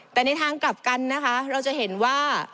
แต่ในทางกลับกันนะคะเราจะเห็นว่า